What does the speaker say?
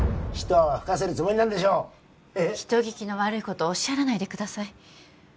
一泡吹かせるつもりなんでしょう人聞きの悪いことをおっしゃらないでください